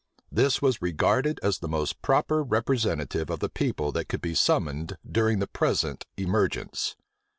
This was regarded as the most proper representative of the people that could be summoned during the present emergence.